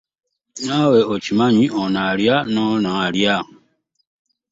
Naawe okimanyi ono alya n'ono alya.